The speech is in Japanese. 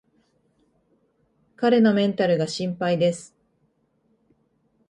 彼のメンタルが心配です